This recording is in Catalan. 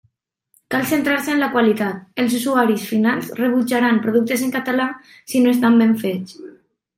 Cal centrar-se en la qualitat: els usuaris finals rebutjaran productes en català si no estan ben fets.